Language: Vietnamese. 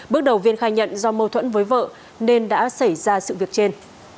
bước đầu viên khai nhận do mâu thuẫn với vợ nên đã xảy ra sự việc trên